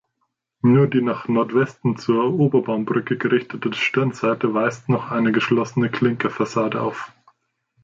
Nur die nach Nordwesten zur Oberbaumbrücke gerichtete Stirnseite weist noch eine geschlossene Klinkerfassade auf.